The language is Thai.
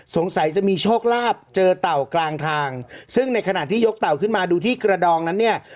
สงสัยจะมีโชคลาภเจอเต่ากลางทางซึ่งในขณะที่ยกเต่าขึ้นมาดูที่กระดองนั้นเนี่ย